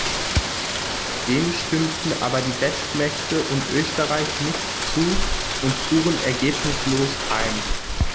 Dem stimmten aber die Westmächte und Österreich nicht zu und fuhren ergebnislos heim.